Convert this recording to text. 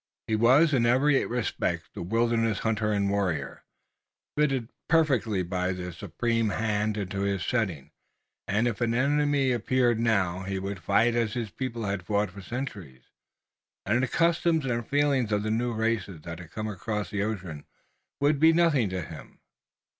He was in every respect the wilderness hunter and warrior, fitted perfectly by the Supreme Hand into his setting, and if an enemy appeared now he would fight as his people had fought for centuries, and the customs and feelings of the new races that had come across the ocean would be nothing to him.